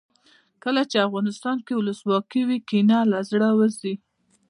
کله چې افغانستان کې ولسواکي وي کینه له زړه وځي.